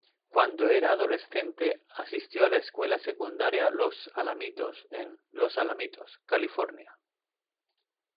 Cuando era adolescente asistió a la Escuela Secundaria Los Alamitos en Los Alamitos, California.